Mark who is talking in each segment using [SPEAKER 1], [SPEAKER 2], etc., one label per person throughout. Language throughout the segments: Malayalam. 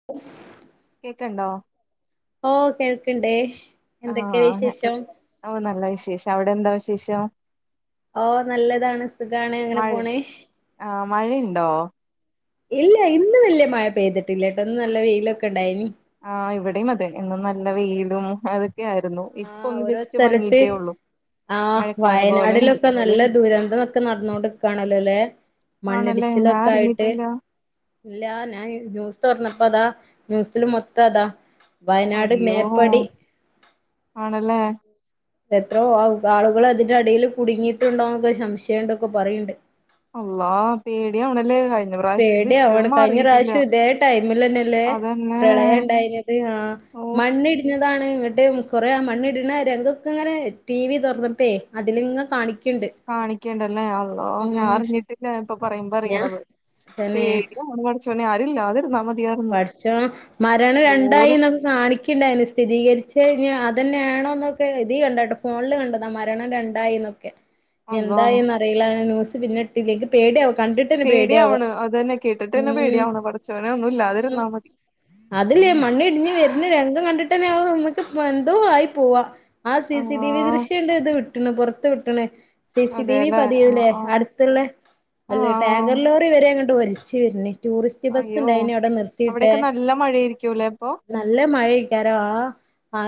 [SPEAKER 1] [inaudible]
[SPEAKER 2] കേക്ണ്ടോ?
[SPEAKER 1] ഓഹ് കേൾക്ണ്ട്
[SPEAKER 2] ആഹ് [unintelligible] ഓഹ് നല്ല വിശേഷം അവിടെ എന്താ വിശേഷം
[SPEAKER 1] ഓ നല്ലതാണ് സുഖാണ് അങ്ങനെ
[SPEAKER 2] മഴ
[SPEAKER 1] പോണ്
[SPEAKER 2] ആഹ് മഴെയ്ണ്ടോ?
[SPEAKER 1] ഇല്ല ഇന്ന് വെല്ല്യ മഴ പെയ്തിട്ടില്ലട്ടൊ ഇന്ന് നല്ല വെയിലൊക്കെണ്ടായിനി
[SPEAKER 2] ആഹ് ഇവടിം അതെ ഇന്ന് നല്ല വെയിലും അതെ ക്കെ ആയിരുന്നു, ഇപ്പൊ
[SPEAKER 1] ആഹ്
[SPEAKER 2] ഒന്ന്
[SPEAKER 1] ഓരോ
[SPEAKER 2] ജസ്റ്റ്
[SPEAKER 1] സ്ഥലത്ത്
[SPEAKER 2] മങ്ങിയിട്ടെ ഒള്ളു
[SPEAKER 1] ആഹ് വയനാടിലൊക്കെ നല്ല ദുരന്തമൊക്കെ നടന്നോണ്ട്‌ക്കാണല്ലോലേ?
[SPEAKER 2] ആണല്ലേ ഞാൻ
[SPEAKER 1] മണ്ണിടിച്ചിലൊക്കായിട്ട്
[SPEAKER 2] അറിഞ്ഞിട്ടില്ല
[SPEAKER 1] ഇല്ല ഞാൻ ന്യൂസ് തൊറന്നപ്പതാ ന്യൂസില് മൊത്തം അതാ വയനാട്
[SPEAKER 2] അയ്യോ
[SPEAKER 1] മേപ്പടി
[SPEAKER 2] ആണല്ലേ?
[SPEAKER 1] എത്രയോ ആളു ആളുകളതിന്റെ അടിയില് കുടുങ്ങിയിട്ടുണ്ടോന്ന് സംശയെണ്ടാക്കെ പറിയിണ്ട്
[SPEAKER 2] അള്ളാ പേടിയാവണല്ലേ കഴിഞ്ഞ പ്രാവശ്യത്തത്
[SPEAKER 1] പേടി
[SPEAKER 2] ഇപ്പഴും
[SPEAKER 1] ആവണ്
[SPEAKER 2] മാറിയിട്ടില്ല
[SPEAKER 1] കഴിഞ്ഞറാശ്യം ഇതേ ടൈമിലന്നെല്ലേ?
[SPEAKER 2] അതന്നെ
[SPEAKER 1] പ്രളയം ഇണ്ടായിനിയെത് ആഹാ
[SPEAKER 2] ഓ
[SPEAKER 1] മണ്ണിടിഞ്ഞതാണ് ഇങ്ങട്ട് കുറേ ആ മണ്ണ്ടിണെ രംഗൊക്കെങ്ങനെ ടി വി തൊർന്നപ്പെ അതിലിങ്ങെ കാണിക്ണ്ട്
[SPEAKER 2] കാണിക്ക്ണ്ടല്ലേ അന്നോ ഞാ അറിഞ്ഞിട്ടില്ല ഇപ്പൊ പറയുമ്പോ
[SPEAKER 1] ഞാ
[SPEAKER 2] അറിയ്ണത്
[SPEAKER 1] തന്നെ
[SPEAKER 2] പേടിയാവ്ണ് പടച്ചോനെ ആരും ഇല്ലാതിരുന്ന മതി
[SPEAKER 1] പട്ചോ മരണം രണ്ടായിന്നൊ ക്കെ കാണിക്ണ്ടാരുന്ന് സ്ഥിരീകരിച്ചെ ഇഞ്ഞ് അതന്നെയാണോ എന്നൊക്കെ ഇതികണ്ടാട്ടോ ഫോണില് കണ്ടതാ മരണം രണ്ട് യിന്നൊക്കെ
[SPEAKER 2] അള്ളാ
[SPEAKER 1] ഇഞ്ഞെന്തായിന്ന്റിയില്ല ഞാ ന്യൂസ് പിന്നെട്ടി ല്ല ഇൻക്ക് പേടിയവാ കണ്ടിട്ടെന്നെ പേടിയാവാ
[SPEAKER 2] പേടിയാവണ് അതന്നെ കേട്ടിട്ട് തന്നെ
[SPEAKER 1] മ്
[SPEAKER 2] പേടിയാവണ് പടച്ചോനെ ഒന്നുല്ലാതിരുന്നാ മതി
[SPEAKER 1] അതില്ലേ മണ്ണിടിഞ്ഞ് വെര്ണെ രംഗം കണ്ടിട്ടന്നെ നമ്മക്ക് എന്തോ ആയി പോവാ. ആ സി സി ടി വി ദൃശ്യണ്ട് ഇത് വിട്ട്ണ് പൊറത്ത് വിട്ട്ണ് സിസി ടി വി യില്
[SPEAKER 2] അതെല്ലേ ആ
[SPEAKER 1] പതിയൂല്ലേ,
[SPEAKER 2] ആ
[SPEAKER 1] അട്ത്ത്ള്ളെ
[SPEAKER 2] ആ
[SPEAKER 1] അല്ല ടാങ്കർ ലോറി വരെ ഇങ്ങട്ട് ഒൽച്ച് വെര്നെ ടൂറിസ്റ്റ്
[SPEAKER 2] അയ്യോ
[SPEAKER 1] ബസ്സ്ണ്ടായിനി ഔടെ നിർത്തിട്ടെ
[SPEAKER 2] അവിടെയൊക്കെ നല്ല മഴയായിരിക്കും ലേ അപ്പം?
[SPEAKER 1] നല്ല മഴ ആരിക്കും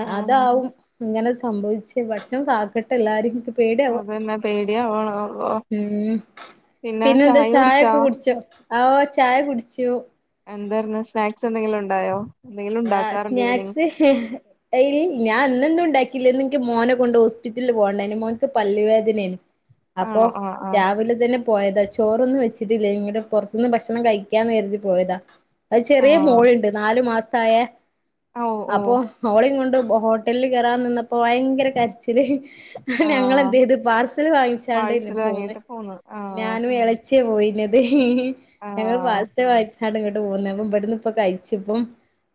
[SPEAKER 2] ആ
[SPEAKER 1] അതാവും അങ്ങനെ സംഭവിച്ചെ പടച്ചോൻ കാക്ക ട്ട് എല്ലാരേം നിക്ക് പേടിയാവാ
[SPEAKER 2] അതന്നെ പേടിയാവണ് അള്ളോ
[SPEAKER 1] ഉം
[SPEAKER 2] പിന്നെ
[SPEAKER 1] പിന്നെന്ത്‌
[SPEAKER 2] ചായ കുടിച്ചാ
[SPEAKER 1] ചായൊക്കെ കുടിച്ചോ? ഓഹ് ചായ കുടിച്ചു.
[SPEAKER 2] എന്തായിരുന്നു സ്നാക്സ് എന്തെങ്കിലും ഉണ്ടായോ എന്തെങ്കിലും ഉണ്ടാക്കാറുണ്ടോ ഈവനിംഗ്?
[SPEAKER 1] ഹ ഏയ്‌ ഞാൻ ഇന്നൊന്നും ഉണ്ടാക്കീലാ ഇന്ന് എനിക്ക് മോനെ കൊണ്ട് ഹോസ്പിറ്റലില് പോകാനിണ്ടായിനി മോനിക്ക് പല്ല് വേദനയേനും. അപ്പോ
[SPEAKER 2] ആണോ ആ ആ
[SPEAKER 1] രാവിലെ തന്നെ പോയതാ ചോറൊന്നും വെച്ചിട്ടില്ലേനി ഇങ്ങട് പുറത്തുന്ന് ഭക്ഷണം കഴിക്കാന്ന് കരുതി പോയതാ. അത്
[SPEAKER 2] ആ
[SPEAKER 1] ചെറിയ മോളുണ്ട് നാലു മാസായ
[SPEAKER 2] ആ ഓ ഓ
[SPEAKER 1] അപ്പോ മോളെയും കൊണ്ട് ഹോ ട്ടലിൽ കേറാൻ നിന്നപ്പോ ഭയങ്കര കരച്ചില്
[SPEAKER 2] ആ
[SPEAKER 1] ഞങ്ങൾ എന്ത് ചെയ്തു പാർസൽ വാങ്ങിച്ചാണ്ട്ന്നെ
[SPEAKER 2] പാഴ്സല്
[SPEAKER 1] പോന്ന്
[SPEAKER 2] വാങ്ങിട്ട് ആ
[SPEAKER 1] ഞാനും എളച്ചിയാ പോയിന്നത്.
[SPEAKER 2] ആ
[SPEAKER 1] ഞങ്ങള് പാഴ്സൽ വാങ്ങിച്ചിട്ട് ഇങ്ങോട്ട് പോന്നു അപ്പ ഇബടന്ന് ഇപ്പോ കഴിച്ചാ ഇപ്പം.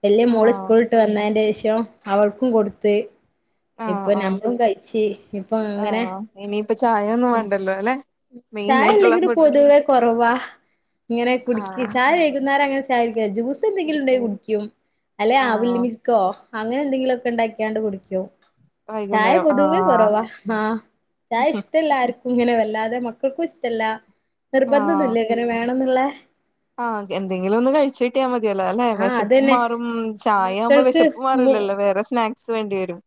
[SPEAKER 1] വല്ല്യ
[SPEAKER 2] ആ
[SPEAKER 1] മോള് സ്കൂള് വിട്ട് വന്നതിന് ശേഷം അവൾക്കും കൊടുത്ത്
[SPEAKER 2] ആ
[SPEAKER 1] ഇപ്പോ
[SPEAKER 2] ആ
[SPEAKER 1] ഞങ്ങളും കഴിച്ച് ഇപ്പോ അങ്ങനെ
[SPEAKER 2] ഇനിയിപ്പോ ചായൊന്നും വേണ്ടല്ലോ അല്ലേ?
[SPEAKER 1] ചായ അല്ലെങ്കിലും പൊതുവെ കുറവാ ഇങ്ങനെ കുടുക്കി
[SPEAKER 2] ആഹ്
[SPEAKER 1] ചായ വൈകു ന്നേരം അങ്ങനെ ചായ കുടിക്കലില്ല ജൂസ് എന്തെങ്കിലും ഉണ്ടേൽ
[SPEAKER 2] ഇരിക്കല്
[SPEAKER 1] കുടിക്കും അല്ലെ അവിൽ
[SPEAKER 2] ആഹ്
[SPEAKER 1] മി ക്കോ അങ്ങനെ എന്തെങ്കിലും ഒക്കെ ഉണ്ടാക്കിയാണ്ട് കുടിക്കും. ചായ
[SPEAKER 2] വൈകുന്നേരം
[SPEAKER 1] പൊതുവേ
[SPEAKER 2] ആഹ്
[SPEAKER 1] കുറവാ ആഹ് ചായ ഇഷ്ടമല്ലാർക്കും ഇങ്ങനെ വല്ലാ തെ മക്കൾക്കും ഇഷ്ടല്ല,
[SPEAKER 2] ആഹ്
[SPEAKER 1] നിർബന്ധൊന്നുമില്ല ഇങ്ങനെ വേണന്നുള്ള.
[SPEAKER 2] ആഹ് എന്തെങ്കിലും ഒന്ന് കഴിച്ച് കിട്ടിയാൽ മതിയല്ലോ അല്ലേ
[SPEAKER 1] ആഹ്
[SPEAKER 2] വിശപ്പും
[SPEAKER 1] അതന്നെ
[SPEAKER 2] മാറും ചായയാവുമ്പോ വിശ പ്പു
[SPEAKER 1] മക്കൾക്ക്
[SPEAKER 2] മാറില്ലല്ലോ വേറെ സ്നാക്സ് വേണ്ടി വരും,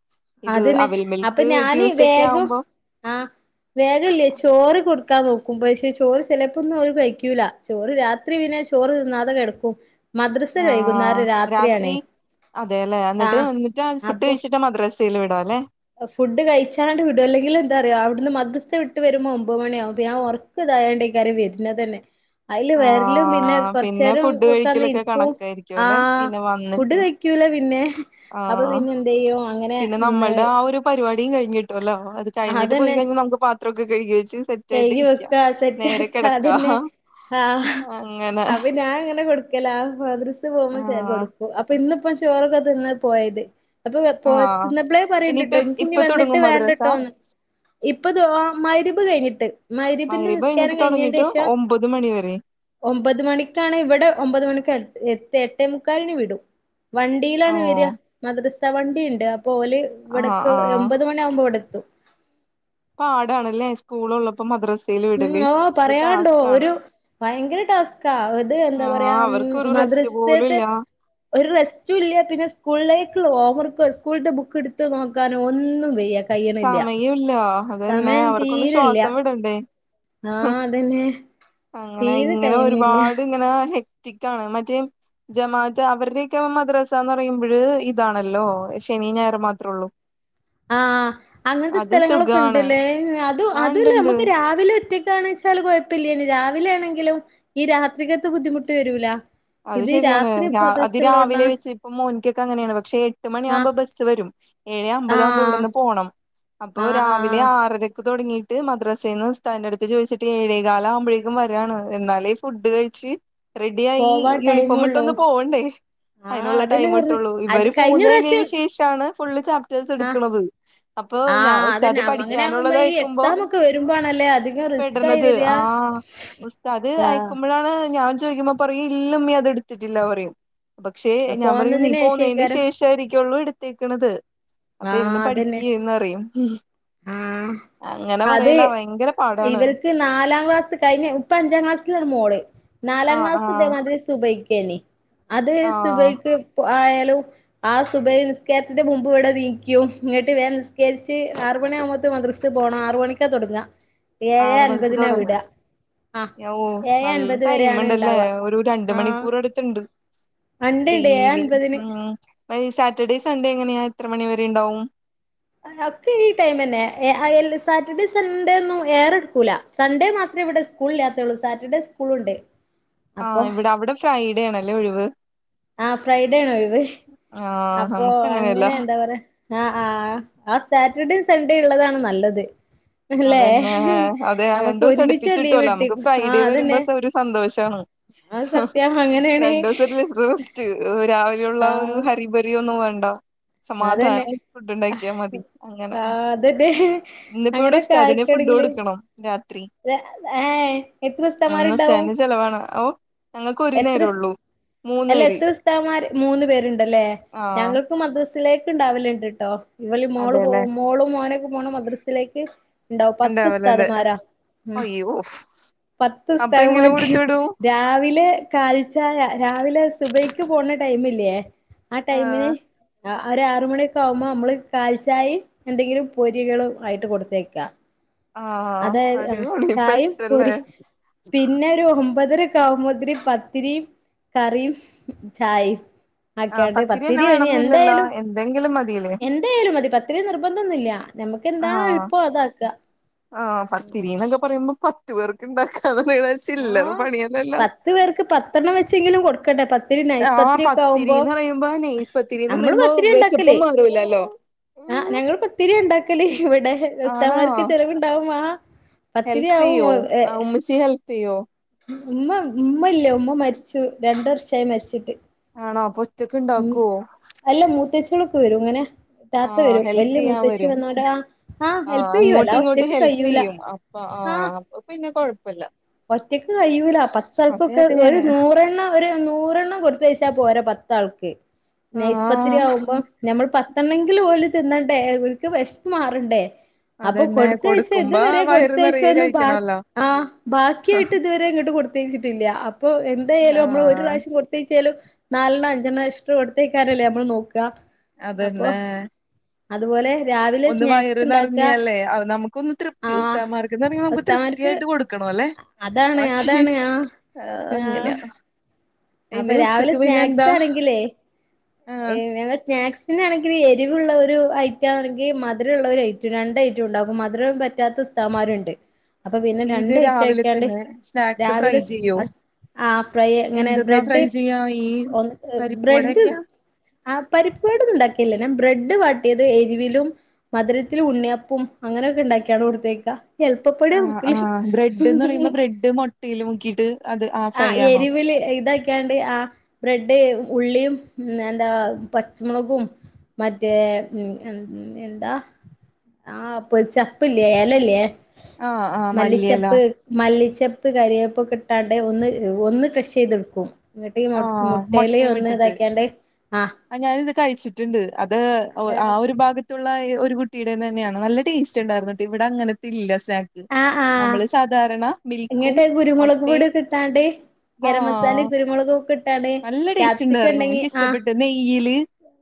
[SPEAKER 2] ഇത്
[SPEAKER 1] അതന്നെ
[SPEAKER 2] അവിൽ
[SPEAKER 1] അപ്പൊ
[SPEAKER 2] മിൽക്ക് ജ്യൂസ് ഒക്കെ ആവുമ്പോ [unintelligible]
[SPEAKER 1] വേഗ ഇല്ലേ ചോറ് കൊടുക്കാൻ നോക്കും പക്ഷേ ചോറ് ചെലപ്പോന്നും അവൻ കയ്ക്കൂലാ ചോറ് രാ ത്രി പിന്നെ ചോറ് തിന്നാതെ കെടക്കും.
[SPEAKER 2] ആഹ് രാത്രി അതെയല്ലെ അന്നിട്ട്
[SPEAKER 1] ആഹ്
[SPEAKER 2] ന്നിട്ട് അവൻ ഫുഡ്
[SPEAKER 1] അപ്പൊ
[SPEAKER 2] കഴിച്ചി ട്ടാ മദ്രസയിൽ വിടാ അല്ലേ?
[SPEAKER 1] ഫുഡ് കഴിച്ചാണ്ട് വിടും അല്ലെങ്കിൽ എന്താറിയോ അവിടുന്ന് മദ്രസ വിട്ട് വെരുമ്പോ ഒമ്പത് മണിയാവും പിന്നാ ഒറ ക്കതായാണ്ടെയ്കാരം വെരിന്ന തന്നെ. അയില് വെരലും പിന്നെ
[SPEAKER 2] ആഹ് പിന്നെ
[SPEAKER 1] കൊറച്ചേരം
[SPEAKER 2] ഫുഡ്
[SPEAKER 1] ഒക്കെന്ന്
[SPEAKER 2] കഴിക്കലൊക്കെ
[SPEAKER 1] ഇരിക്കും
[SPEAKER 2] കണക്കായിരിക്കും അല്ലെ
[SPEAKER 1] ആഹ്
[SPEAKER 2] പിന്നെ
[SPEAKER 1] ഫുഡ്
[SPEAKER 2] വന്നിട്ട്
[SPEAKER 1] കഴി ക്കൂല പിന്നെ അപ്പോ
[SPEAKER 2] ആഹ്
[SPEAKER 1] പിന്നെ എന്തെയ്യും അങ്ങനെ
[SPEAKER 2] പിന്നെ
[SPEAKER 1] നേ
[SPEAKER 2] നമ്മൾടെ ആ ഒരു പരിപാടിയും കഴിഞ്ഞ് കിട്ടുല്ലോ അത് കഴിഞ്ഞിട്ട് പോയി കഴിഞ്ഞ നമക്ക് പാത്രൊക്കെ കഴുകി വെച്ച് സെറ്റ് ആയിട്ട്
[SPEAKER 1] കെയ്കി
[SPEAKER 2] ഇരിക്കാം
[SPEAKER 1] വെക്കാ സെറ്റ്
[SPEAKER 2] നേരെ
[SPEAKER 1] ആക്കാ
[SPEAKER 2] കിടക്കാ
[SPEAKER 1] അതെന്നെ ആഹ്
[SPEAKER 2] അങ്ങനെ
[SPEAKER 1] അപ്പോ ഞാൻ ഇങ്ങനെ കൊടുക്കലാ മദ്രസ പോവുമ്പം ചെ
[SPEAKER 2] ആഹ്
[SPEAKER 1] കൊടുക്കും. അപ്പോ ഇന്നിപ്പം ചോറൊക്കെ തിന്ന് പോയത്. അപ്പോ വെ പോയ
[SPEAKER 2] ആഹ്
[SPEAKER 1] തിന്നപ്പളേ പറയിണ്ട്
[SPEAKER 2] ഇനിയിപ്പ
[SPEAKER 1] ട്ടോ ഇനിക്കി ഇനി
[SPEAKER 2] ഇപ്പ
[SPEAKER 1] വന്നിട്ട്
[SPEAKER 2] തുടങ്ങും മദ്രസ
[SPEAKER 1] വേണ്ടട്ടോന്ന്. ഇപ്പോ ദ്വാ മകരിമ്പ് കഴിഞ്ഞിട്ട്. മകരിബിന്റെ
[SPEAKER 2] മഗ്‌രിബ് കഴിഞ്ഞിട്ട്
[SPEAKER 1] നിസ്കാരം
[SPEAKER 2] തുടങ്ങിട്ട്
[SPEAKER 1] കഴിഞ്ഞേന്റേഷം
[SPEAKER 2] ഒമ്പത് മണി വരെ
[SPEAKER 1] ഒമ്പത് മണിക്കാണ് ഇവിടെ ഒമ്പത് മണിക്ക് എ എത്താ എട്ടേമുക്കാലിന് വിടും.
[SPEAKER 2] ഓ
[SPEAKER 1] വണ്ടിയിലാണ് വരാ മദ്രസാ വണ്ടിണ്ട് അപ്പോ ഓല്
[SPEAKER 2] ആഹ്
[SPEAKER 1] ഇവിടക്ക്
[SPEAKER 2] ആഹ്
[SPEAKER 1] എമ്പത് മ ണിയാവുമ്പോ ഇവടെത്തും.
[SPEAKER 2] പാടാണല്ലേ സ്
[SPEAKER 1] ഉം ഓഹ് പറയാണ്ടോ
[SPEAKER 2] ടാസ്കാണ്
[SPEAKER 1] ഒരു ഭയങ്കര ടാസ് ക്കാ ഇത് എന്താ പറയാ
[SPEAKER 2] ആഹ്
[SPEAKER 1] ഉം
[SPEAKER 2] അവർക്ക് ഒരു റെസ്റ്റ് പോലും
[SPEAKER 1] മദ്രസേത്തെ
[SPEAKER 2] ഇല്ല
[SPEAKER 1] ഒര് റെസ്റ്റുല്ലാ പിന്നെ സ്കൂളിലേക്ക് ഓവർക്കോ സ്കൂളത്തെ ബുക്ക് എടുത്ത് നോക്കാനും ഒന്നും വെയ്യാ.
[SPEAKER 2] സമയുല്ല അത് തന്നെ അവർക്കൊന്ന്
[SPEAKER 1] തീരില്ല
[SPEAKER 2] ശ്വാസം വിടണ്ടേ? ഉം
[SPEAKER 1] ആഹ് അതന്നെ
[SPEAKER 2] അങ്ങനെ
[SPEAKER 1] തീരെ
[SPEAKER 2] ഇങ്ങനെ
[SPEAKER 1] ടൈമില്ല
[SPEAKER 2] ഒരുപാട് ഇങ്ങനെ ഹെ ക്റ്റിക്കാണ് മറ്റേ ജമാ അത്ത അവര്ടെയൊക്കെ മദ്രാസാ എന്ന് പറയുമ്പഴ് ഇതാണല്ലോ ശനിയും ഞായറും മാത്രേള്ളൂ.
[SPEAKER 1] ആഹ് അങ്ങനത്തെ
[SPEAKER 2] സുഖാണ്
[SPEAKER 1] സ്ഥലങ്ങളൊക്കെണ്ട്ല്ലേ അത്
[SPEAKER 2] ആ
[SPEAKER 1] അതുമല്ല
[SPEAKER 2] ഉണ്ട്ണ്ട്
[SPEAKER 1] അമ്മക്ക് രാവിലെ ഒറ്റക്കാണ് ചാ ചാൽ കൊഴപ്പല്ലേനി രാവിലെ ആണെങ്കിലും ഈ രാത്രികത്ത ബുദ്ധിമുട്ട് വരൂല
[SPEAKER 2] അത്
[SPEAKER 1] ഇത്
[SPEAKER 2] ശരിയാണ്
[SPEAKER 1] രാത്രി
[SPEAKER 2] ഞാ
[SPEAKER 1] മദ്രസ ഉള്ളോണ്ടാ
[SPEAKER 2] അദിരാവിലെ വെച്ച് ഇപ്പൊ മോനിക്കൊക്കെ അങ്ങനെയാണ് പക്ഷെ എട്ട്
[SPEAKER 1] ആഹ്
[SPEAKER 2] മണിയാവുമ്പം ബസ് സ് വരും ഏഴ് അമ്പത് ആകുമ്പോ
[SPEAKER 1] ആഹ്
[SPEAKER 2] ഇവിടുന്ന് പോണം അപ്പോ
[SPEAKER 1] ആഹ്
[SPEAKER 2] രാവിലെ
[SPEAKER 1] ആഹ്
[SPEAKER 2] ആറരക്ക് തുടങ്ങിട്ട് മദ്രാസേന്ന് ഉസ്ഥാദ്ന്റെ അടുത്ത് ചോയിച്ചിട്ട് ഏഴേകാല് ആവുമ്പഴേക്കും വരാണ് എന്നാലെ ഫുഡ് കഴിച്ച് റെഡിയായി
[SPEAKER 1] പോവാൻ
[SPEAKER 2] യൂണിഫോം
[SPEAKER 1] ടൈമൊള്ളൂ
[SPEAKER 2] ഇട്ടൊന്ന് പോവണ്ടേ
[SPEAKER 1] ആഹ്
[SPEAKER 2] അതിനുള്ള
[SPEAKER 1] അതന്നെ
[SPEAKER 2] ടൈം
[SPEAKER 1] പറഞ്ഞ്
[SPEAKER 2] കിട്ടുള്ളൂ
[SPEAKER 1] അത്
[SPEAKER 2] ഇവര്
[SPEAKER 1] കഴിഞ്ഞ
[SPEAKER 2] പോന്ന് കഴിഞ്ഞേന്
[SPEAKER 1] പ്രാവശ്യം
[SPEAKER 2] ശേ ഷ. ആണ് ഫുൾ ച പിറ്റേസം
[SPEAKER 1] ആഹ്
[SPEAKER 2] എട്ക്ക്ണത് അപ്പോ ഞാ
[SPEAKER 1] ആഹ് അതന്നെ
[SPEAKER 2] ഉസ്താദ്
[SPEAKER 1] അങ്ങനെ ആകുമ്പോ
[SPEAKER 2] പഠിക്കാനുള്ളത്
[SPEAKER 1] ഈ
[SPEAKER 2] അയകുമ്പം
[SPEAKER 1] എക്സാം ഒക്കെ വരുമ്പോണല്ലേ അധികം
[SPEAKER 2] പെട്ട്
[SPEAKER 1] റിസ്ക് ആയി
[SPEAKER 2] ണ്ടർന്നത്
[SPEAKER 1] വരിക
[SPEAKER 2] ആ ഉസ്താദ്
[SPEAKER 1] ആഹ്
[SPEAKER 2] അയക്കുമ്പഴാണ് ഞാൻ ചോയ്ക്കുമ്പം പറയും ഇല്ല ഉമ്മി അത് എടുത്തിട്ടില്ല പറയും പക്ഷേ ഞാമ്പറയും നീ
[SPEAKER 1] പോന്നതിന്
[SPEAKER 2] പോന്നേന്
[SPEAKER 1] ശേഷേക്കാരം
[SPEAKER 2] ശേഷം ആയിരിക്കൊള്ളൂ എടുത്തേക്കണത് അപ്പൊ ഇരുന്ന്
[SPEAKER 1] ആഹ് അതന്നെ
[SPEAKER 2] പഠിക്കിന്ന് പറയും ഉം
[SPEAKER 1] ആഹ്
[SPEAKER 2] അങ്ങനെ
[SPEAKER 1] അത്
[SPEAKER 2] പറയല ഭയങ്കര പാടാണ്
[SPEAKER 1] ഇവർക്ക് നാലാം ക്ലാസ് കഴിഞ്ഞ് ഇപ്പ അഞ്ചാം ക്ലാസ്സിലാണ് മോള് നാലാം
[SPEAKER 2] ആഹ്
[SPEAKER 1] ക്ലാസ് ദേ
[SPEAKER 2] ആഹ്
[SPEAKER 1] മാതി അത് സുബയ്ക്കേനി അത്
[SPEAKER 2] ആഹ്
[SPEAKER 1] സുബൈക്ക് ആയാലും ആ സുബയ് നിസ്കാരത്തിന്റെ മുമ്പ് ഇവടെ നീക്കും ഇങ്ങട്ട് വേം നിസ്കാരിച്ച് ആറ് മണി ആവുമ്പത്ത് മത്റസേ പോണം ആറ് മണിക്കാ തൊടങ്ങാ
[SPEAKER 2] ആറ് മണിക്ക് തൊടങ്ങും
[SPEAKER 1] ആഹ്
[SPEAKER 2] ഓ
[SPEAKER 1] ഏഴേ
[SPEAKER 2] നല്ല
[SPEAKER 1] അൻപത് വരെയാണ്
[SPEAKER 2] ടൈമ്ണ്ടല്ലേ
[SPEAKER 1] ഇണ്ടാവ
[SPEAKER 2] ഒരു രണ്ട്
[SPEAKER 1] ആഹ്
[SPEAKER 2] മണിക്കൂർ എട് ത്ത്ണ്ട്
[SPEAKER 1] ഇണ്ട് ഇണ്ട് ഏഴേ
[SPEAKER 2] ഡെയിലി
[SPEAKER 1] അൻപതിന്
[SPEAKER 2] ഉം മഹ് സാറ്റർഡേ സൺഡേ എങ്ങനെയാ എത്ര മണിവരെണ്ടാവും
[SPEAKER 1] ഒക്കെ ഈ ടൈംമെന്നെ അഹ് എല് സാറ്റർഡേ സൺഡേ ഒന്നും ഏയറെടുക്കൂല സൺേ മാത്രേ ഇവിടെ സ്കൂള്ല്ലാത്തെള്ളൂ സാറ്റർഡേ സ്കൂളുണ്ട്
[SPEAKER 2] ആ
[SPEAKER 1] അപ്പൊ
[SPEAKER 2] ഇവിടെ അവിടെ ഫ്രൈഡേ ആണല്ലേ ഒഴിവ്
[SPEAKER 1] ആഹ് ഫ്രൈഡേ ആണ് ഒഴിവ്
[SPEAKER 2] ആഹ്
[SPEAKER 1] അപ്പൊ
[SPEAKER 2] നമുക്ക് അങ്ങനെയല്ല
[SPEAKER 1] അങ്ങനെ എന്താ പറയാ ആഹ് ആഹ് ആ സാറ്റർഡേ സൺഡേ ഉള്ളതാണ് നല്ലത് അല്ലേ
[SPEAKER 2] അതന്നെ അതെ
[SPEAKER 1] നമുക്ക്
[SPEAKER 2] രണ്ടു ദിവസം
[SPEAKER 1] ഒരുമിച്ച്
[SPEAKER 2] അടുപ്പിച്ച്
[SPEAKER 1] ലീവ്
[SPEAKER 2] കിട്ടുവല്ലോ നമുക്ക്
[SPEAKER 1] കിട്ടിത്
[SPEAKER 2] ഫ്രൈഡേ
[SPEAKER 1] ആഹ്
[SPEAKER 2] വരുമ്പോ
[SPEAKER 1] അതല്ലേ
[SPEAKER 2] സ- ഒരു സന്തോഷാണ്
[SPEAKER 1] അങ്ങനെയാണ്
[SPEAKER 2] രണ്ട് ദിവസായിട്ടുള്ളൂ ഇത്രേ റെസ്റ്റ് രാവിലെയുള്ള
[SPEAKER 1] ആ
[SPEAKER 2] ഒരു ഹരി ലീവൊന്നും ഒന്നും വേണ്ട
[SPEAKER 1] അതന്നെ
[SPEAKER 2] സമാധാനം ഫുഡ്
[SPEAKER 1] ആ
[SPEAKER 2] ഉണ്ടാക്കിയാൽ മതി അങ്ങനെ
[SPEAKER 1] അതന്നെ
[SPEAKER 2] ഇന്നിപ്പോ ഇവിടെ
[SPEAKER 1] അങ്ങനെയൊക്കെ
[SPEAKER 2] ഇപ്പൊ അതിന് ഫുഡ്
[SPEAKER 1] ആയിക്കണെങ്കില്
[SPEAKER 2] കൊടുക്കണം രാത്രി
[SPEAKER 1] ഏ എത്ര
[SPEAKER 2] [unintelligible]
[SPEAKER 1] ഉസ്താമാരുണ്ടാവും
[SPEAKER 2] ന്റെ ചെലവാണ് ഓ ഞങ്ങൾക്ക് ഒരു
[SPEAKER 1] എത്ര
[SPEAKER 2] നേരേ ഉള്ളൂ മൂന്ന്
[SPEAKER 1] അല്ല
[SPEAKER 2] പേര്
[SPEAKER 1] എത്ര ഉസ്താമാര് മൂന്ന് പേരുണ്ടല്ലേ
[SPEAKER 2] ആഹ്
[SPEAKER 1] ഞങ്ങൾക്കും മത് തിലേക്ക്ണ്ടാവല്ണ്ട്ട്ടോ ഇവളി മോള് പോ
[SPEAKER 2] അതെല്ലേ
[SPEAKER 1] മോളും മോനക്ക പോണ മദ്രസയിലേക്ക് ഉണ്ടാവും പത്ത് സ്ഥാത്മാരാ
[SPEAKER 2] അയ്യോഫ്
[SPEAKER 1] പത്തുസ്താദുമാര് രാവിലെ കാലിചായ രാവിലെ സുബയ്ക്ക് പോണ ടൈമില്ലേ ആ
[SPEAKER 2] ആഹ്
[SPEAKER 1] ടൈമിന് ആഹ് ഒരു ആറുമണിയൊക്കെ ആകുമ്പോൾ നമ്മള് കാലിചായയും എന്തെങ്കിലും പൊരികളും ആയിട്ട് കൊടുത്തയക്കാം
[SPEAKER 2] ആഹ്
[SPEAKER 1] അതായത് ആ
[SPEAKER 2] അടിപൊളി
[SPEAKER 1] ചായയും
[SPEAKER 2] പെട്ടല്ലേ
[SPEAKER 1] പൊരി പിന്നെ ഒരു ഒമ്പതര കൗമുദരി പത്തിരിയും കറിയും ചായയും
[SPEAKER 2] ആഹ്
[SPEAKER 1] ആക്കാണ്ട്
[SPEAKER 2] പത്തിരിന്നെ
[SPEAKER 1] പത്തിരി ഞ്ഞി
[SPEAKER 2] വേണംന്നില്ലല്ലോ
[SPEAKER 1] എന്തായാലും
[SPEAKER 2] എന്തെങ്കിലും മതില്ലേ
[SPEAKER 1] എന്തേലും മതി പത്തിരി നിർബന്ധംന്നുംല്ല നമുക്ക് എന്താ
[SPEAKER 2] ആഹ്
[SPEAKER 1] എളുപ്പം അതാക്കുക
[SPEAKER 2] ആഹ് പത്തിരി എന്നൊക്കെ പറയുമ്പോ പത്ത് പേർക്ക് ഇണ്ടാക്കാ ചില്ലറ
[SPEAKER 1] ആഹ്
[SPEAKER 2] പണിയല്ലല്ലോ
[SPEAKER 1] പത്ത് പേർക്ക് പത്തെണ്ണം വെച്ചെങ്കിലും കൊടുക്കണ്ട്ടെ പ പത്തിരി നൈസ്
[SPEAKER 2] ആഹ്
[SPEAKER 1] പത്രി ഒക്കെ ആകുമ്പോ
[SPEAKER 2] പത്തിരിന്ന് പറയുമ്പോ നെയ്സ് പത്തിരിന്ന്
[SPEAKER 1] നമ്മള്
[SPEAKER 2] പറയുമ്പോ
[SPEAKER 1] പത്തിരിയാ ഉണ്ടാക്കല്
[SPEAKER 2] വിശപ്പും മാറൂലല്ലോ
[SPEAKER 1] ആഹ് ഞങ്ങള് പത്തിരിയാ ഉണ്ടാക്കല് ഇവിടെ ഉസ്താന്മാർക്ക് ചെലവുണ്ടാകും വാ
[SPEAKER 2] ഹെൽപ്‌യ്യുവോ ആ ഉമ്മിച്ചി ഹെൽപ്‌യ്യുവോ
[SPEAKER 1] ഉമ്മ ഉമ്മ ഇല്ല ഉമ്മ മരിച്ചു രണ്ട് വർഷായി മരിച്ചിട്ട്
[SPEAKER 2] ആണോ
[SPEAKER 1] ഉം
[SPEAKER 2] അപ്പൊഒറ്റക്ക്ണ്ടാകുവോ
[SPEAKER 1] അല്ല മൂത്തേച്ചകളൊക്കെ വരും ങ്ങനെ താത്ത
[SPEAKER 2] ആഹ്
[SPEAKER 1] വരും
[SPEAKER 2] ഹെൽപ്
[SPEAKER 1] വലിയ
[SPEAKER 2] ചെയ്യാൻ
[SPEAKER 1] മൂത്തച്ചി
[SPEAKER 2] വരും
[SPEAKER 1] വന്നോടെ ആഹ് ഹാ
[SPEAKER 2] ആഹ്
[SPEAKER 1] ഹെൽപെയ്യും
[SPEAKER 2] അങ്ങോട്ടും
[SPEAKER 1] അല്ലാതെ ഒറ്റക്ക് കഴിയൂല ഹാ
[SPEAKER 2] ഇപ്പൊ പിന്നെ കൊഴപ്പല്ല
[SPEAKER 1] ഒറ്റക്ക് കഴിയൂല
[SPEAKER 2] അതെ
[SPEAKER 1] പത്തൾക്കൊക്കെ
[SPEAKER 2] അതെ
[SPEAKER 1] ഒരു നൂറെണ്ണം ഒരു നൂറെണ്ണം കൊടുത്ത് വച്ചാ പോരാ പത്താൾക്ക് നയ്‌സ്പത്തിരി
[SPEAKER 2] ആഹ്
[SPEAKER 1] ആവുമ്പോം നമ്മൾ പ [unintelligible] ണ്ണെങ്കിലും ഓല് തിന്നണ്ടേ ഓല്ക് വെശ്പ്പ് മാറണ്ടേ അപ്പൊ
[SPEAKER 2] അതന്നെ
[SPEAKER 1] കൊടുത്ത് അയച്ച
[SPEAKER 2] കൊടുക്കുമ്പോ
[SPEAKER 1] ഇതുവരെ
[SPEAKER 2] വയറ്
[SPEAKER 1] കൊടുത്ത അയ്ച്ച
[SPEAKER 2] നിറയെ
[SPEAKER 1] ഒന്നും ബ
[SPEAKER 2] കഴിക്കണല്ലോ
[SPEAKER 1] ആഹ് ബാക്കിയായിട്ട് ഇതുവരെ ഇങ്ങോട്ട് കൊടുത്തേച്ചിട്ടില്ല അപ്പൊ എന്തായാലും നമ്മള് ഒരു
[SPEAKER 2] ആഹ്
[SPEAKER 1] പ്രാവശ്യം കൊ [unintelligible] നാലെണ്ണം അഞ്ചെണ്ണം എക്ശ്ട്രാ കൊടുത്തയ്ക്കാനല്ലേ നമ്മള് നോക്കാ
[SPEAKER 2] അതന്നേ
[SPEAKER 1] അതുപോലെ രാവിലെ
[SPEAKER 2] ഒന്ന് വയറ്
[SPEAKER 1] സ്നാക്സ് ഇണ്ടാക്ക
[SPEAKER 2] നിറഞ്ഞല്ലേ അ നമുക്കൊന്ന് തൃപ്തി
[SPEAKER 1] ആഹ്
[SPEAKER 2] ഉസ്താമാർ [unintelligible] നമുക്ക് തൃപ്തി
[SPEAKER 1] ഉസ്താമാർക്ക്
[SPEAKER 2] ആയിട്ട് കൊടുക്കണം അല്ലെ
[SPEAKER 1] അതാണ്
[SPEAKER 2] ബാക്കി
[SPEAKER 1] അതാണ് ആഹ്
[SPEAKER 2] ആ
[SPEAKER 1] ആഹ്
[SPEAKER 2] അങ്ങനെയാണ്
[SPEAKER 1] അപ്പൊ
[SPEAKER 2] ഇനി
[SPEAKER 1] രാവിലെ
[SPEAKER 2] ഉച്ചക്ക് പിന്നെ എന്താ ആഹ്
[SPEAKER 1] ഏഹ് ഞങ്ങൾ സ്നാക് പിന്നെയാണെങ്കിൽ എരിവുള്ള ഒരു ഐറ്റം ആണെങ്കി മധുരള്ളൊരു ഐറ്റം രണ്ട് ഐറ്റം ഉണ്ടാകും മധുരം പറ്റാത്ത ഉസ്താമാര്ണ്ട് അപ്പൊ പിന്നെ
[SPEAKER 2] ഇത്
[SPEAKER 1] രണ്ട്
[SPEAKER 2] രാവിലെ
[SPEAKER 1] ഐറ്റയ്ക്കാണ്ട്
[SPEAKER 2] തന്നെ സ്നാക്സ് ഫ്രൈ
[SPEAKER 1] രാവിലെ
[SPEAKER 2] ചെയ്യോ
[SPEAKER 1] ആ ഫ്രൈ ഇങ്ങനെ
[SPEAKER 2] എന്തെന്നാ
[SPEAKER 1] ബ്രെഡ്
[SPEAKER 2] ഫ്രൈ ചെയ്യാ ഈ
[SPEAKER 1] [unintelligible]
[SPEAKER 2] പരിപ്പ്
[SPEAKER 1] ബ്രെഡ്
[SPEAKER 2] വടയൊക്കെയാ
[SPEAKER 1] ആ പരിപ്പ്വട ഉണ്ടാക്കിൽല്ല ബ്രെഡ് വാട്ടിയത് എരിവിലും മധുരത്തിൽ ഉണ്ണിയപ്പം അങ്ങനെയൊക്കെ ഉണ്ടാക്കിയാണ് കൊടുത്തേക്കാ
[SPEAKER 2] ആഹ് ആഹ് ബ്രെഡ് എന്ന് പറയുമ്പോ ബ്രെഡ് മൊട്ടയിൽ മുക്കീട്ട് അത് ആ
[SPEAKER 1] ആ
[SPEAKER 2] ഫ്രൈ ആണോ
[SPEAKER 1] എരിവില് ഇതാക്യാണ്ട് ആ ബ്രെഡ് ഉള്ളിയും ഉം എന്താ പച്ചമുളകും മറ്റേ [unintelligible] എന്താ ആ പ്പൊ ചപ്പില്ലേ എലല്ലേ
[SPEAKER 2] ആഹ് ആഹ് മല്ലിയെല
[SPEAKER 1] മല്ലിച്ചപ്പ് മല്ലിച്ചപ്പ് കരിവേപ്പൊക്കെട്ടാണ്ട് ഒന്ന് ഒന്ന് ക്രഷീതെടുക്കും ഇന്നട്ടീ മു
[SPEAKER 2] ആഹ്
[SPEAKER 1] മുട്ടെല്
[SPEAKER 2] മൊട്ടയും
[SPEAKER 1] ഒന്ന്
[SPEAKER 2] ഇട്ടിട്ട്
[SPEAKER 1] ഇതാക്കിയാണ്ട് ആഹ്
[SPEAKER 2] ആ ഞാനത് കഴിച്ചിട്ട്ണ്ട് അത് ആ ഒരു ഭാഗ ത്തുള്ള ഒരു കുട്ടിയിടെന്ന്ന്നെയാണ് നല്ല ടേസ്റ്റ്ണ്ടായിരുന്നുട്ടാ ഇവിടെ അങ്ങനത്തെ ഇല്ലസ്‌ നമ്മള് സാധാരണ മിൽ
[SPEAKER 1] ഇന്നിട്ട് കുരുമുളക് പൊടിയൊക്കെട്ടാണ്ട് ഗരം
[SPEAKER 2] ആഹ്
[SPEAKER 1] മസാലയും കുരുമുളകും ഒക്കെ ട്ടാണ്ട്
[SPEAKER 2] നല്ല ടേസ്റ്റ് ഉണ്ടായിരുന്നു.
[SPEAKER 1] കാപ്സിക്കണ്ടെങ്കി ആഹാ
[SPEAKER 2] എനിക്കിഷ്ടപ്പെട്ട് നെയ്യില്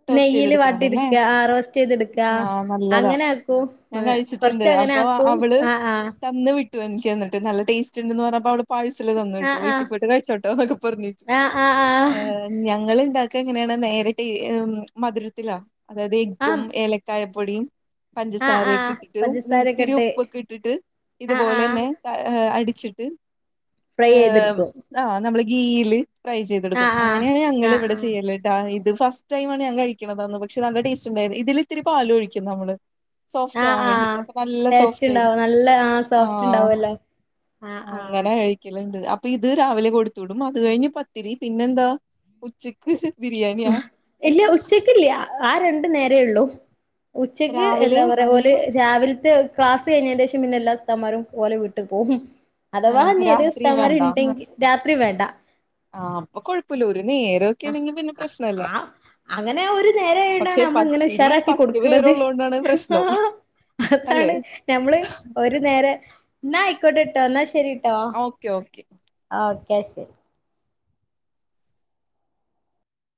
[SPEAKER 2] ടോസ്റ്റ്
[SPEAKER 1] നെയ്യില്
[SPEAKER 2] ചെയ്തെടുക്കണതല്ലേ
[SPEAKER 1] വാട്ടിടുക്കാ ആ റോസ്റ്റെയ്തെടുക്കാ
[SPEAKER 2] ആഹ് നല്ലതാ
[SPEAKER 1] അങ്ങനെ ആക്കും
[SPEAKER 2] ഞാൻ കഴിച്ചിട്ടുണ്ട്.
[SPEAKER 1] കൊറച്ചങ്ങനെ ആക്കും ആഹാ ആഹാ
[SPEAKER 2] എനിക്ക്‌ തന്നിട്ട് നല്ല ടേസ്റ്റ്ണ്ട്ന്ന് പറഞപ്പൊ അവള് പാഴ്സല് തന്ന് വിട്ട്
[SPEAKER 1] ആഹ്
[SPEAKER 2] വീട്ടിപോയി കഴിച്ചോട്ടോ എന്നൊക്കെ പറഞ്ഞിട്ട്
[SPEAKER 1] ആഹ് ആഹ് ആഹ്
[SPEAKER 2] ഞങ്ങള് ഇണ്ടാക്കാ എങ്ങനെയാണ് നേരിട്ട് മധുരത്തിലാ അതായത് എ്ഗ്ഗും
[SPEAKER 1] ആഹ്
[SPEAKER 2] ഏലക്കായ പൊടിയും
[SPEAKER 1] ആഹ് ആഹ് ആഹ്
[SPEAKER 2] പഞ്ചസാരയൊക്കിട്ടിട്ട് ഇത്തിരി ഉപ്പ്
[SPEAKER 1] പഞ്ചസാരൊക്കെ
[SPEAKER 2] ഇത്തിരി
[SPEAKER 1] ഇട്ട്
[SPEAKER 2] ഉപ്പൊക്കെ ഇട്ടിട്ട്
[SPEAKER 1] ആഹ് ആഹ്
[SPEAKER 2] ഇതുപോലെന്നെ ആഹാ അടിച്ചിട്ട്
[SPEAKER 1] ഫ്രൈയ്തെടുക്കും
[SPEAKER 2] ആഹ് നമ്മള് ഗീയിൽ ഫ്രൈ ചെയ്തെടുക്കും
[SPEAKER 1] ആഹ് ആഹ്
[SPEAKER 2] അങ്ങനെയാണ് ഞങ്ങള്
[SPEAKER 1] ആഹ്
[SPEAKER 2] ഇവിടെ
[SPEAKER 1] ആഹ്
[SPEAKER 2] ചെയ്യല് ഇത് ഫസ്റ്റ് ടൈമാണ് ഞാൻ കഴിക്കണതന്ന് പക്ഷെ നല്ല ടേസ്റ്റ്ണ്ടായിരുന്നു ഇതിലിത്തിരി പാലൊഴിക്കും നമ്മള്
[SPEAKER 1] ആഹ്
[SPEAKER 2] സോഫ്റ്റാവാൻ
[SPEAKER 1] ആഹ്
[SPEAKER 2] വേണ്ടിട്ട് അപ്പൊ നല്ല
[SPEAKER 1] ടേസ്റ്റ് ഉണ്ടാവും
[SPEAKER 2] സോഫ്റ്റായിരിക്കും
[SPEAKER 1] നല്ല ആ സോഫ്റ്റ്
[SPEAKER 2] ആഹാ
[SPEAKER 1] ഉണ്ടാവല്ലോ ആഹ് ആഹാ
[SPEAKER 2] ല്ണ്ട് അപ്പൊയിത് രാവിലെ കൊടുത്ത് വിടും അത് കഴിഞ്ഞ് പത്തിരി പിന്നെന്താ ഉച്ചയ്ക്ക് ബിരിയാണിയാ
[SPEAKER 1] ഇല്ല ഉച്ചക്കില്യ ആ രണ്ട് നേരേയുള്ളൂ ഉച്ചക്ക് എന്താ
[SPEAKER 2] രാവിലെയും
[SPEAKER 1] പറയാ ഓ ല് രാവിലത്തെ ക്ലാസ് കഴിഞേന്റെഷം പിന്നെ എല്ലാ ഉസ്താമാരും ഓലെ വീട്ട് പോവും അഥവാ ഇനി ഏതേലും
[SPEAKER 2] രാത്രിയും
[SPEAKER 1] ഉസ്താദ്മാര്ണ്ടെങ്കി രാത്രി വേണ്ട
[SPEAKER 2] ആഹ് അപ്പൊ കൊഴപ്പല്ല ഒരു നേരൊക്കെയാണെങ്കി പിന്നെ
[SPEAKER 1] ആ
[SPEAKER 2] പ്രശ്നല്ല
[SPEAKER 1] ആ അങ്ങനെ ഒരു നേരായോണ്ടാണ്
[SPEAKER 2] പക്ഷെ
[SPEAKER 1] നമ്മള് ഇങ്ങനെ
[SPEAKER 2] പത്തിരി
[SPEAKER 1] ഉഷാറാക്കി
[SPEAKER 2] പത്ത്
[SPEAKER 1] കൊടുക്കണത്
[SPEAKER 2] പേരുള്ളോണ്ടാണ് പ്രശ്നം
[SPEAKER 1] ആഹാ
[SPEAKER 2] അല്ലെ
[SPEAKER 1] അതാണ് നമ്മള് ഒരു നേരെ ന്നാ ആയിക്കോട്ടെട്ടോ എന്നാ ശരി
[SPEAKER 2] ഓക്കെ ഓക്കെ
[SPEAKER 1] ആ ഓക്കെ ശരി